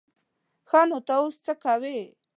ښه نو ته اوس څه کوې؟